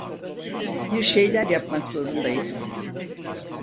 Bir şeyler yapmak zorundayız.